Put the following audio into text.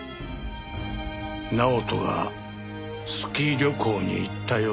直人がスキー旅行に行った夜。